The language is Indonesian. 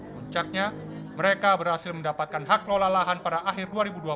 puncaknya mereka berhasil mendapatkan hak lola lahan pada akhir dua ribu dua puluh